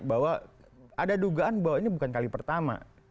bahwa ada dugaan bahwa ini bukan kali pertama